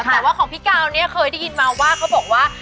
แต่ว่าของพี่กาวเนี่ยเคยได้ยินมาว่า